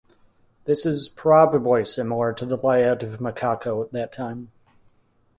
This is probably similar to the layout of Macaco at that time.